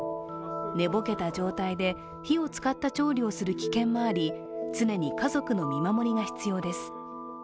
寝ぼけた状態で火を使った調理をする危険もあり常に家族の見守りが必要です。